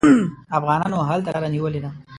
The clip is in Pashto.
افغانانو هلته لاره نیولې ده.